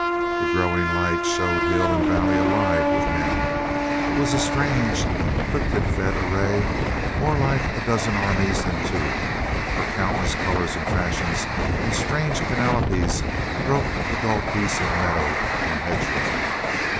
The growing light showed hill and valley alive with men. It was a strange, clitickefed array, mbre like a dozen armies NEWBURY VALE 173 than two, for countless colors and fashions and strange panoplies broke the dull peace of meadow and hedge row.